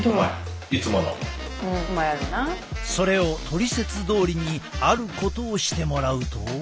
それをトリセツどおりにあることをしてもらうと。